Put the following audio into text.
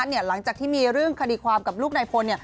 หลังจากที่มีเรื่องคดีความกับลูกนายพล